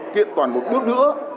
kiên toàn một bước nữa